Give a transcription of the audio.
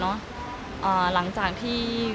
อ๋อค่ะวันนี้เอาเป็นเมื่อวานเนาะ